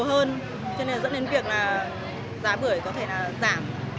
cho nên là giá bưởi có thể giảm